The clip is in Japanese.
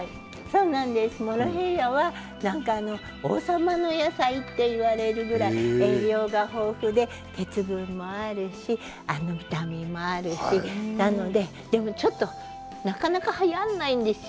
モロヘイヤは王様の野菜といわれるぐらい栄養が豊富で鉄分もあるしビタミンもあるしでもちょっとなかなかはやらないんですよ。